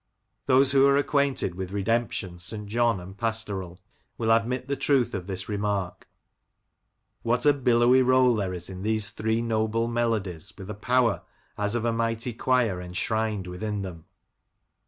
Those who are acquainted with " Redemption," " St John," and "Pastoral" will admit the truth of this remark. What a billowy roll there is in these three noble melodies, with a power as of a mighty choir enshrined within them